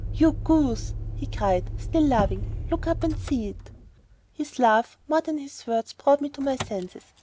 "You goose," he cried, still laughing, "look up and see it." His laugh, more than his words, brought me to my senses.